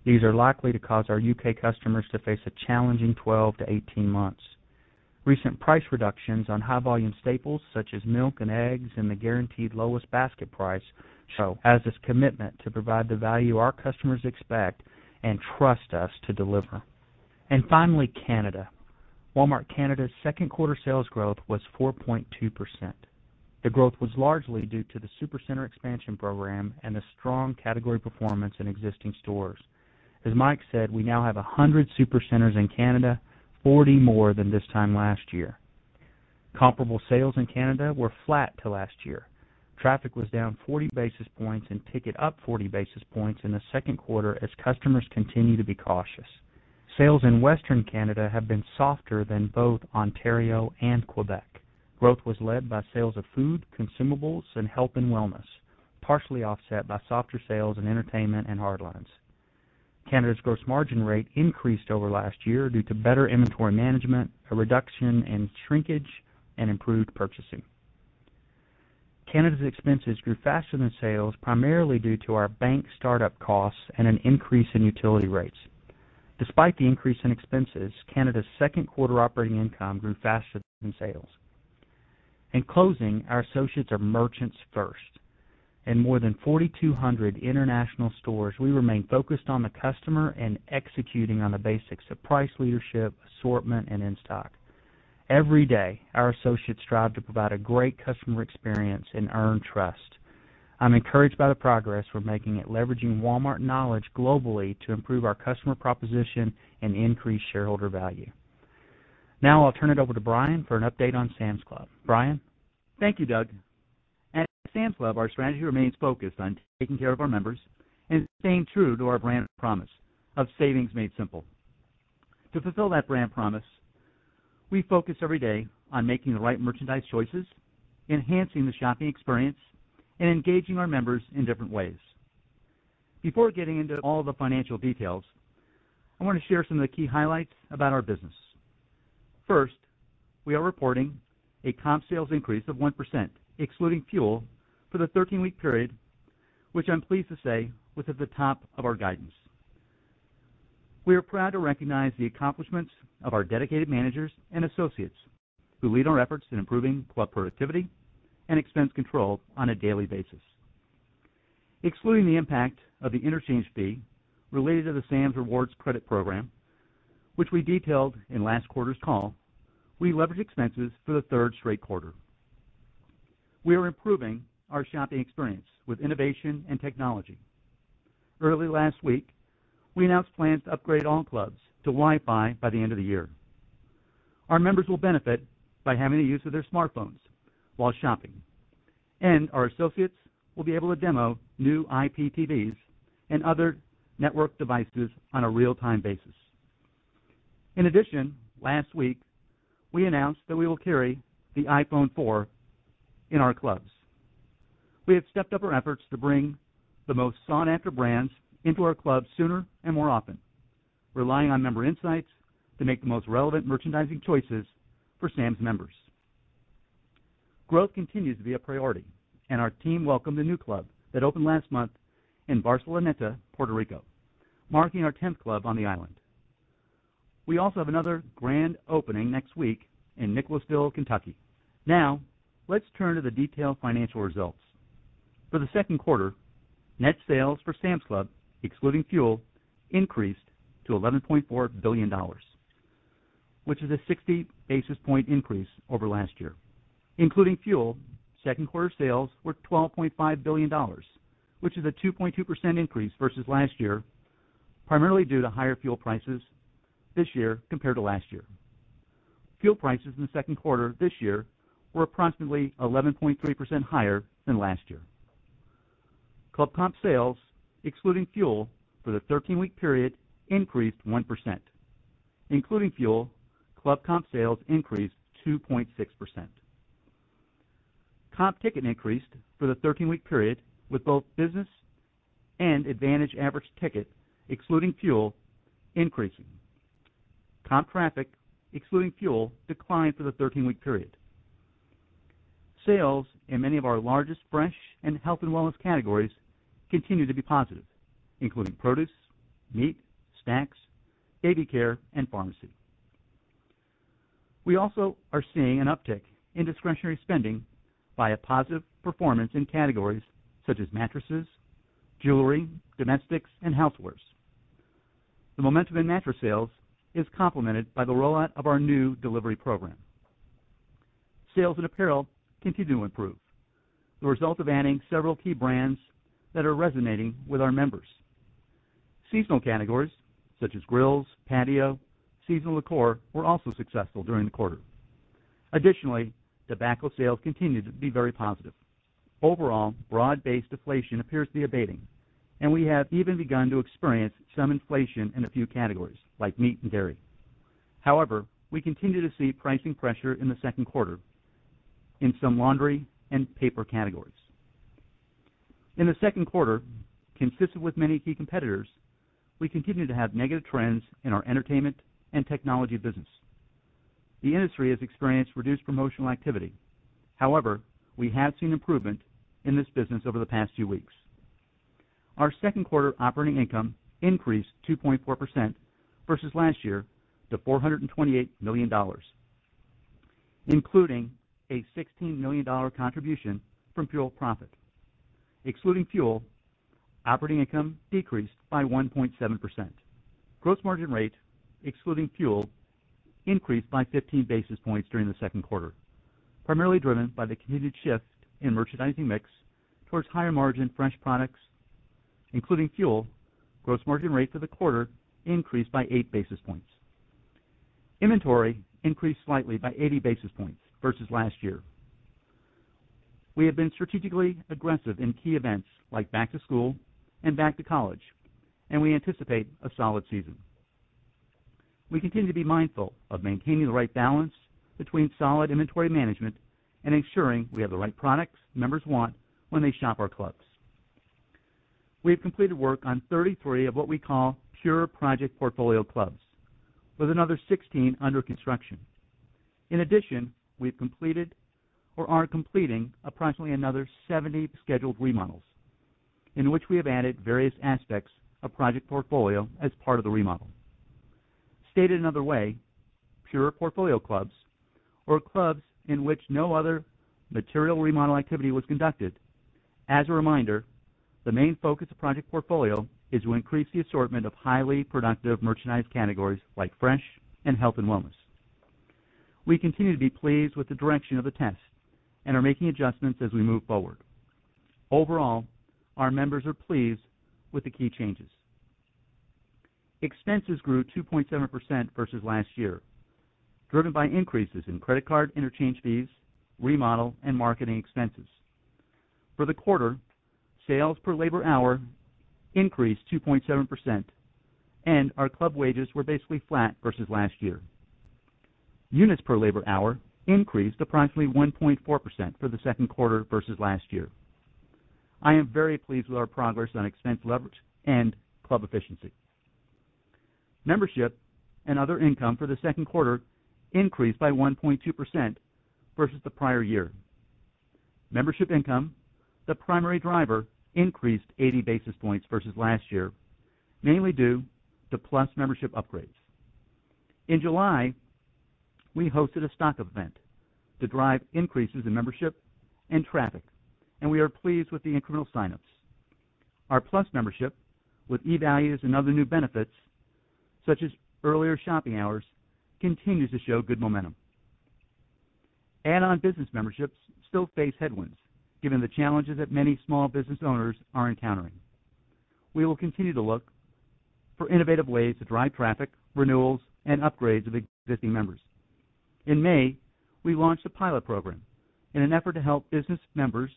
[SPEAKER 5] These are likely to cause our U. K. Customers to face a challenging 12 to 18 months. Recent price reductions on high volume staples such as milk and eggs and the guaranteed lowest basket price show as this commitment to provide the value our customers expect and trust us to deliver. And finally, Canada. Walmart Canada's 2nd quarter sales growth was 4.2%. The growth was largely due to the supercenter expansion program and the strong category performance in existing stores. As Mike said, we now have 100 supercenters in Canada, 40 more than this time last year. Comparable sales in Canada were flat to last year. Traffic was down 40 basis points and ticket up 40 basis points in the Q2 as customers continue to be cautious. Sales in Western Canada have been softer than both Ontario and Quebec. Growth was led by sales of food, consumables and health and wellness, partially offset by softer sales in entertainment and hardlines. Canada's gross margin rate increased over last year due to better inventory management, a reduction in shrinkage and improved purchasing. Canada's expenses grew faster than sales primarily due to our bank start up costs and an increase in utility rates. Despite the increase in expenses, Canada's 2nd quarter operating income grew faster than sales. In closing, our associates are merchants first. In more than 4,200 international stores, we remain focused on the customer and executing on the basics of price leadership, assortment and in stock. Every day, our associates strive to provide a great customer experience and earn trust. I'm encouraged by the progress We're making it leveraging Walmart knowledge globally to improve our customer proposition and increase shareholder value. Now I'll turn it over to Brian for an update on Sam's Club. Brian? Thank you, Doug. At Sam's Club, our strategy remains focused on taking care of our members and staying true to our brand promise of Savings Made Simple. To fulfill that brand promise, we focus every day on making the right merchandise choices, Enhancing the shopping experience and engaging our members in different ways. Before getting into all the financial details, I want to share some of the key highlights about our business. First, we are reporting a comp sales increase of 1%, excluding fuel for the 13 week period, which I'm pleased to say was at the top of our guidance. We are proud to recognize the accomplishments of our dedicated managers and associates who lead our efforts in improving club productivity and expense control on a daily basis. Excluding the impact of the interchange fee related to the Sam's Rewards credit program, which we detailed in last quarter's call, We leverage expenses
[SPEAKER 4] for the 3rd straight quarter.
[SPEAKER 5] We are improving our shopping experience with innovation and technology. Early last week, we announced plans to upgrade all clubs to WiFi by the end of the year. Our members will benefit by having to use of their smartphones while shopping. And our associates will be able to demo new IPTVs and other network devices on a real time basis. In addition, last week, we announced that we will carry the iPhone 4 in our clubs. We have stepped up our efforts to bring the most sought after brands into our clubs sooner and more often, relying on member insights to make the most relevant merchandising choices for Sam's members. Growth continues to be a priority and our team welcomed a new club that opened last month in Barceloneta, Puerto Rico, marking our 10th club on the island. We also have another grand opening next week in Nicholasville, Kentucky. Now let's turn to the detailed financial results. For the Q2, net sales for Sam's Club excluding fuel increased to $11,400,000,000 which is a 60 basis point increase over last year. Including fuel, 2nd quarter sales were $12,500,000,000 which is a 2.2% increase versus last year, primarily due to higher fuel prices this year compared to last year. Fuel prices in the Q2 of this year were approximately 11.3% higher than last year. Club comp sales excluding fuel for the 13 week period increased 1%. Including fuel, Club comp sales increased 2.6%. Comp ticket increased for the 13 week period with both business And Advantage average ticket excluding fuel increasing. Comp traffic excluding fuel declined for the 13 week period. Sales in many of our largest fresh and health and wellness categories continue to be positive, including produce, meat, snacks, Baby Care and Pharmacy. We also are seeing an uptick in discretionary spending by a positive Performance in categories such as mattresses, jewelry, domestics and housewares. The momentum in mattress sales is complemented by the rollout of our new delivery program. Sales and apparel continue to improve. The result of adding several key brands that are resonating with our members. Seasonal categories such as grills, patio, seasonal liqueur were also successful during the quarter. Additionally, tobacco sales continue to be very positive. Overall, broad based deflation appears to be abating and we have even begun to experience Some inflation in a few categories like meat and dairy. However, we continue to see pricing pressure in the Q2 in some laundry and paper categories. In the Q2, consistent with many key competitors, we continue to have negative trends in our entertainment and technology business. The industry has experienced reduced promotional activity. However, we have seen improvement in this business over the past few weeks. Our Q2 operating income increased 2.4% versus last year to $428,000,000 including a $16,000,000 contribution from fuel profit. Excluding fuel, operating income decreased by 1.7%. Gross margin rate excluding fuel increased by 15 basis points during the Q2, primarily driven by the continued shift in merchandising mix towards higher margin fresh products, including fuel, Gross margin rate for the quarter increased by 8 basis points. Inventory increased slightly by 80 basis points versus last year. We have been strategically aggressive in key events like back to school and back to college, and we anticipate a solid season. We continue to be mindful of maintaining the right balance between solid inventory management and ensuring we have the right products members want when they shop our clubs. We've completed work on 33 of what we call pure project portfolio clubs with another 16 under construction. In addition, we've completed or are completing approximately another 70 scheduled remodels in which we have added various aspects a project portfolio as part of the remodel. Stated another way, pure portfolio clubs or clubs in which no other Material remodel activity was conducted. As a reminder, the main focus of project portfolio is to increase the assortment of highly productive merchandise categories like Fresh and Health and Wellness. We continue to be pleased with the direction of the test and are making adjustments as we move forward. Overall, Our members are pleased with the key changes. Expenses grew 2.7% versus last year, driven by increases in credit card interchange fees, remodel and marketing expenses. For the quarter, Sales per labor hour increased 2.7% and our club wages were basically flat versus last year. Units per labor hour increased approximately 1.4% for the Q2 versus last year. I am very pleased with our progress on expense leverage and club efficiency. Membership and other income for the Q2 increased by 1.2% versus the prior year. Membership income, the primary driver increased 80 basis points versus last year mainly due to Plus membership upgrades. In July, we hosted a stock event to drive increases and traffic, and we are pleased with the incremental sign ups. Our Plus membership with e values and other new benefits Such as earlier shopping hours continues to show good momentum. Add on business memberships still face headwinds Given the challenges that many small business owners are encountering, we will continue to look for innovative ways to drive traffic, renewals And upgrades of existing members. In May, we launched a pilot program in an effort to help business members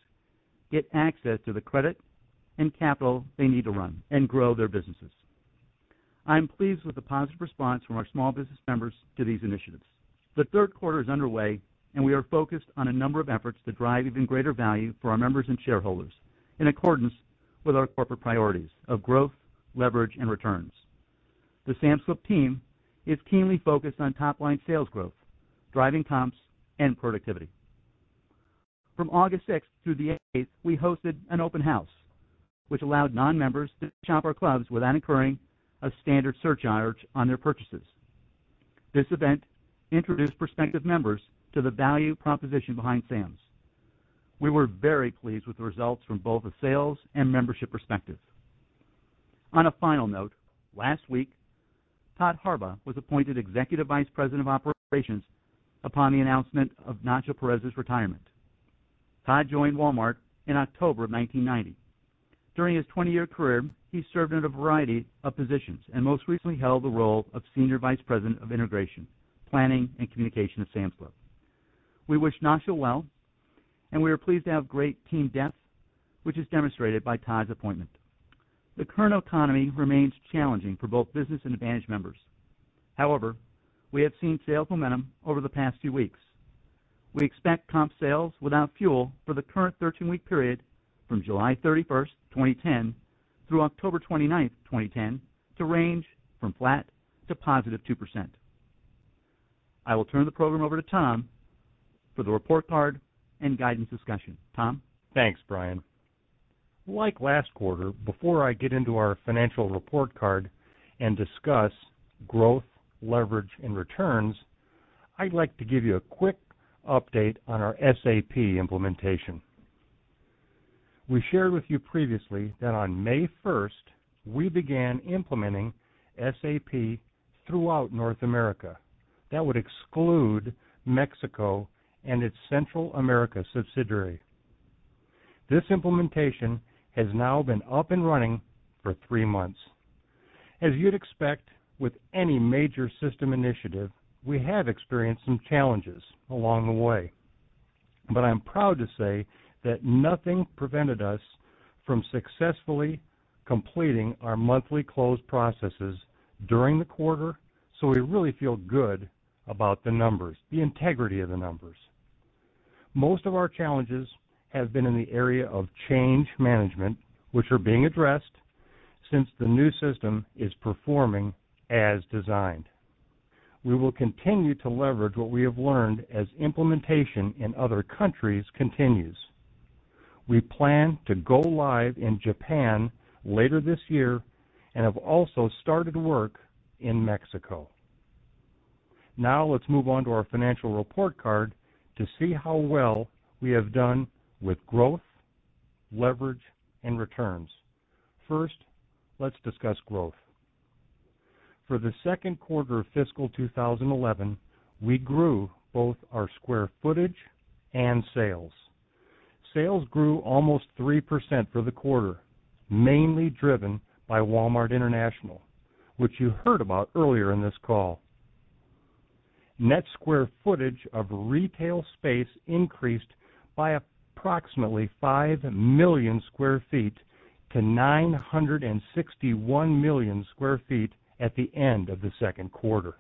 [SPEAKER 5] Get access to the credit and capital they need to run and grow their businesses. I'm pleased with the positive response from our small business members to these initiatives. The Q3 is underway and we are focused on a number of efforts to drive even greater value for our members and shareholders in accordance with our corporate priorities of growth, leverage and returns. The Sam's Club team is keenly focused on top line sales growth, driving comps And productivity. From August 6 through 8th, we hosted an open house, which allowed non members to shop our clubs without incurring a standard search on their purchases. This event introduced prospective members to the value proposition behind Sam's. We were very pleased with the results from both the sales and membership perspective. On a final note, last week, Todd Harbaugh was appointed Executive Vice President of Operations upon the announcement of Nacho Perez's retirement. Todd joined Walmart in October of 1990. During his 20 year career, he served in a variety of positions and most recently held the role of Senior Vice President of Integration, Planning and Communication of Samsweb. We wish Nasha well and we are pleased to have great team depth, which is demonstrated by Todd's appointment. The current economy remains challenging for both business and advantage members. However, We have seen sales momentum over the past few weeks. We expect comp sales without fuel for the current 13 week period From July 31, 2010 through October 29, 2010 to range from flat to positive 2%. I will turn the program over to Tom for the report card and guidance discussion. Tom? Thanks, Brian. Like last quarter, before I
[SPEAKER 1] get into our financial report card and discuss growth, leverage and returns, I'd like to give you a quick update on our SAP implementation. We shared with you previously that on May 1st, We began implementing SAP throughout North America that would exclude Mexico and its Central America subsidiary. This implementation has now been up and running for 3 months. As you'd expect with any major system initiative, we have experienced some challenges along the way. But I'm proud to say that nothing prevented us from successfully completing our monthly close processes during the quarter. So we really feel good about the numbers, the integrity of the numbers. Most of our challenges have been in the area of change management, which are being addressed since the new system is performing as designed. We will continue to What we have learned as implementation in other countries continues. We plan to go live in Japan later this year and have also started work in Mexico. Now let's move on to our financial report card To see how well we have done with growth, leverage and returns, first, let's discuss growth. For the Q2 of fiscal 2011, we grew both our square footage and sales. Sales grew almost 3% for the quarter, mainly driven by Walmart International, which you heard about earlier in this call. Net square footage of retail space increased by approximately 5,000,000 square feet to 961,000,000 square feet at the end of the second quarter.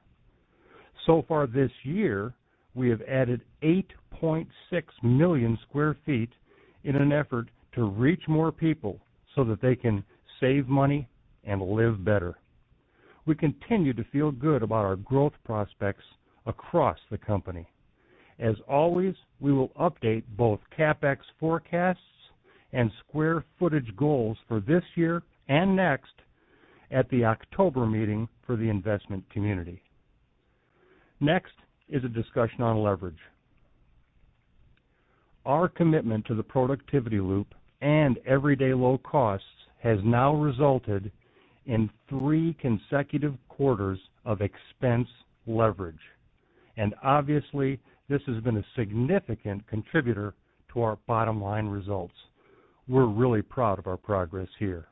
[SPEAKER 1] So far this year, We have added 8,600,000 square feet in an effort to reach more people so that they can Save money and live better. We continue to feel good about our growth prospects across the company. As always, we will update both CapEx forecasts and square footage goals for this year and next at the October meeting for the investment community. Next is a discussion on leverage. Our commitment to the productivity loop and everyday low costs has now resulted in 3 consecutive quarters of expense leverage and obviously this has been a significant contributor to our bottom line results. We're really proud of our progress here.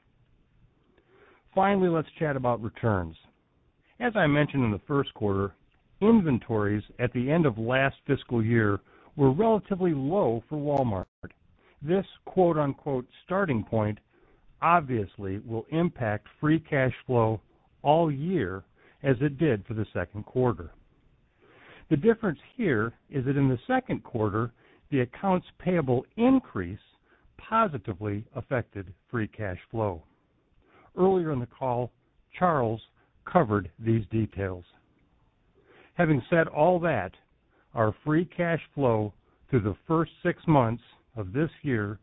[SPEAKER 1] Finally, let's chat about returns. As I mentioned in the Q1, Inventories at the end of last fiscal year were relatively low for Walmart. This starting point Obviously, we'll impact free cash flow all year as it did for the Q2. The difference here is that in the 2nd quarter, the accounts payable increase positively affected free cash flow. Earlier in the call, Charles covered these details. Having said all that, Our free cash flow through the 1st 6 months of this year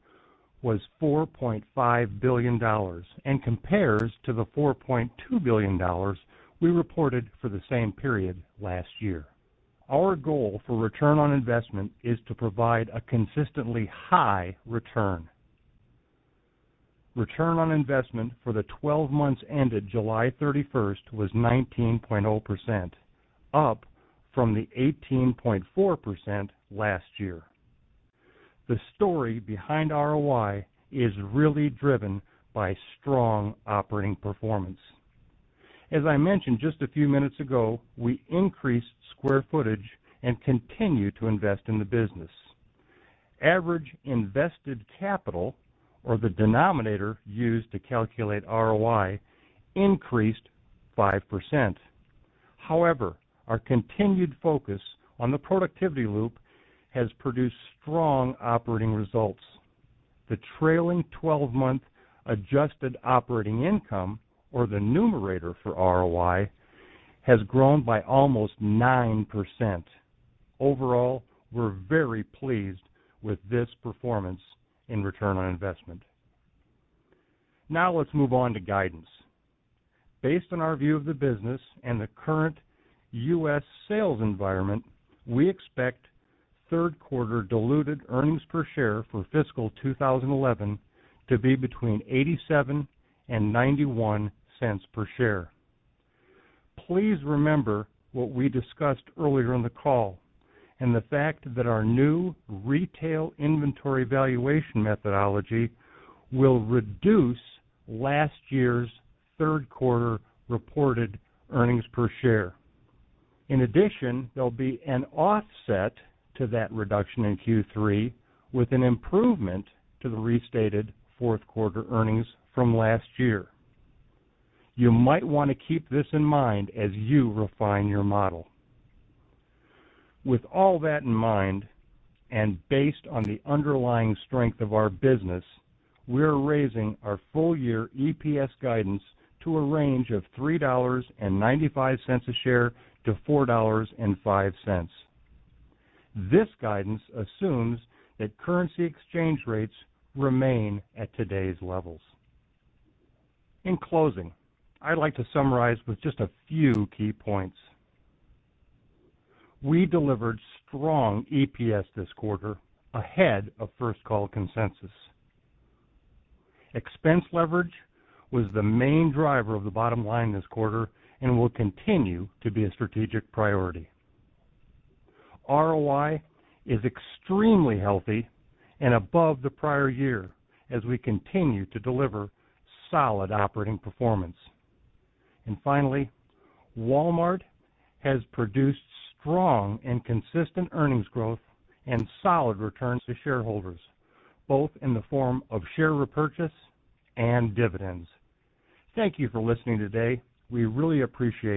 [SPEAKER 1] was $4,500,000,000 and compares to the $4,200,000,000 we reported for the same period last year. Our goal for return on investment is to provide a consistently high return. Return on investment for the 12 months ended July 31st was 19.0%, up from the 18.4% last year. The story behind ROI is really driven by strong operating performance. As I mentioned just a few minutes ago, we increased square footage and continue to invest in the business. Average invested capital or the denominator used to calculate ROI increased 5%. However, our continued focus on the productivity loop has produced strong operating results. The trailing 12 month Adjusted operating income or the numerator for ROI has grown by almost 9%. Overall, We're very pleased with this performance in return on investment. Now let's move on to guidance. Based on our view of the business and the current U. S. Sales environment, we expect 3rd Quarter diluted earnings per share for fiscal 2011 to be between $0.87 $0.91 per share. Please remember what we discussed earlier in the call and the fact that our new retail inventory valuation methodology We'll reduce last year's Q3 reported earnings per share. In addition, there'll be an offset to that reduction in Q3 with an improvement to the restated 4th quarter earnings from last year. You might want to keep this in mind as you refine your model. With all that in mind and based on the underlying strength of our business, we are raising our full year EPS guidance to a range of $3.95 a share to $4.05 This guidance assumes that currency exchange rates remain at today's levels. In closing, I'd like to summarize with just a few key points. We delivered strong EPS this quarter ahead of first call consensus. Expense leverage was the main driver of the bottom line this quarter and will continue to be a strategic priority. ROI is extremely healthy and above the prior year as we continue to deliver solid operating performance. And finally, Walmart has produced strong and consistent earnings growth and solid returns to shareholders, both in the form of share repurchase and dividends. Thank you for listening today. We really appreciate